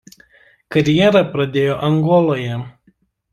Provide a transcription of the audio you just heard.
Karjerą pradėjo Angoloje.